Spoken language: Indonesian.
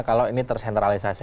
kalau ini tersentralisasi